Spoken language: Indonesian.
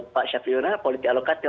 pak syafiq yunar politik alokatif